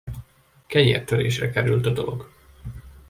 Kenyértörésre került a dolog.